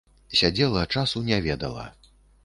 Сядзела, часу не ведала.